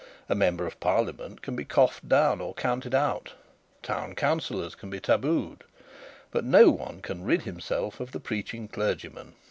A member of parliament can be coughed down or counted out. Town councillors can be tabooed. But no one can rid himself of the preaching clergyman.